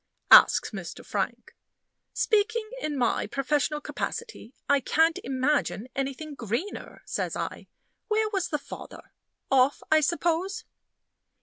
asks Mr. Frank. "Speaking in my professional capacity, I can't imagine anything greener," says I. "Where was the father? Off, I suppose?"